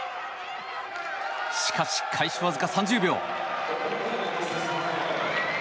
しかし、開始わずか３０秒。